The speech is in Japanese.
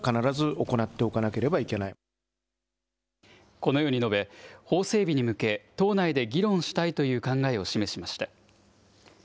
このように述べ、法整備に向け、党内で議論したいという考えを示しました。